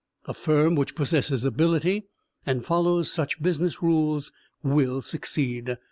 A firm which possesses ability, and follows such business rules, will succeed.